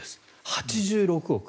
８６億。